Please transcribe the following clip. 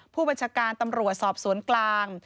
ผู้บัญชาการตำรวจสอบสวนกลาง